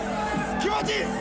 気持ちいいです。